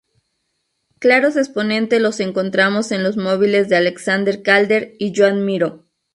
Claros exponentes los encontramos en los móviles de Alexander Calder y Joan Miró.